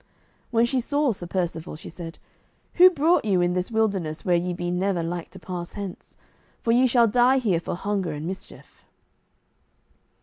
When she saw Sir Percivale, she said, "Who brought you in this wilderness where ye be never like to pass hence? for ye shall die here for hunger and mischief."